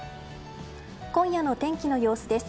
今夜の天気の様子です。